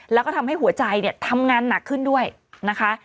แล้วก็ทำให้หัวใจเนี่ยทำงานหนักขึ้นด้วยนะคะ